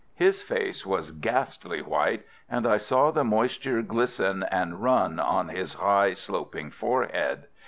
His face was ghastly white, and I saw the moisture glisten and run on his high, sloping forehead.